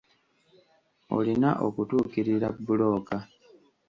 Olina okutuukirira bbulooka.